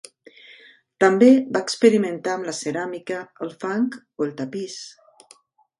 També va experimentar amb la ceràmica, el fang o el tapís.